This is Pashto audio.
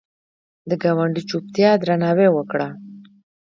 د ګاونډي چوپتیا درناوی وکړه